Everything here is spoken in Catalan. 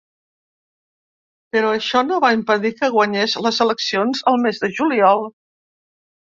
Però això no va impedir que guanyés les eleccions al mes de juliol.